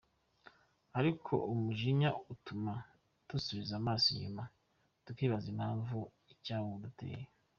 Ariko umujinya utuma dusubiza amaso inyuma, tukibaza impamvu icyawuduteye.